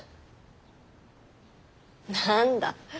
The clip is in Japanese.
何だ。